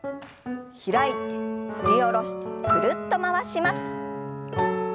開いて振り下ろしてぐるっと回します。